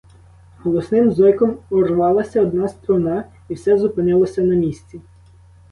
Голосним зойком урвалася одна струна, і все зупинилося на місці.